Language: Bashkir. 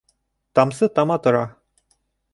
Тамсы тама тора